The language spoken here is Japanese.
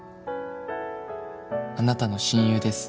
「あなたの親友です」